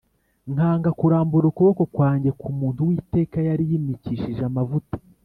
nkanga kurambura ukuboko kwanjye ku muntu uwiteka yari yimikishije amavuta